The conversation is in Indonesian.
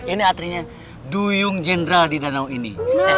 ini artinya duyung jenderal di danau ini